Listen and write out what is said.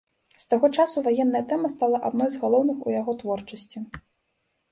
З таго часу ваенная тэма стала адной з галоўных у яго творчасці.